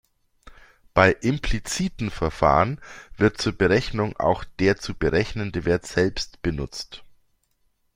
Bei "impliziten Verfahren" wird zur Berechnung auch der zu berechnende Wert selbst benutzt.